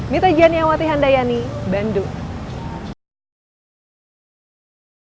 mita jani awati handayani bandung